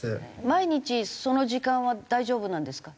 毎日その時間は大丈夫なんですか？